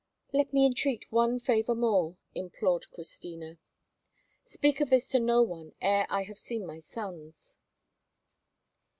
"Let me entreat one favour more," implored Christina. "Speak of this to no one ere I have seen my sons."